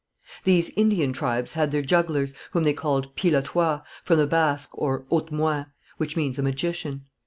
These Indian tribes had their jugglers, whom they called pilotois, from the Basques, or autmoins, which means a magician.